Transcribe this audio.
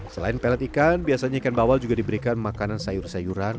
selain pelet ikan biasanya ikan bawal juga diberikan makanan sayur sayuran